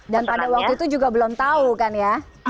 dan pada waktu itu juga belum tahu kan ya